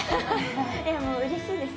いや、もううれしいです。